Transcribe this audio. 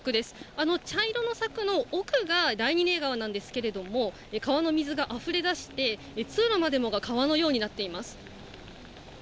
あの茶色の柵の奥が川なんですが、川の水があふれ出して、通路までもが川のようになっています。